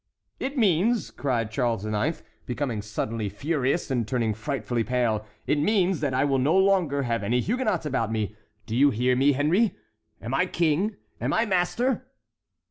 "It means," cried Charles IX., becoming suddenly furious, and turning frightfully pale, "it means that I will no longer have any Huguenots about me. Do you hear me, Henry?—Am I King? Am I master?"